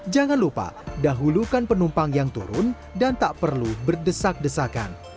jangan lupa dahulukan penumpang yang turun dan tak perlu berdesak desakan